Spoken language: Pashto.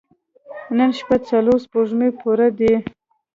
نن شپه څلور سپوږمۍ پوره دي.